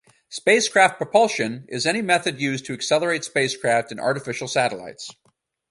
Spacecraft propulsion is any method used to accelerate spacecraft and artificial satellites.